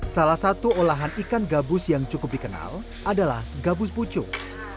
salah satu olahan ikan gabus yang cukup dikenal adalah gabus pucung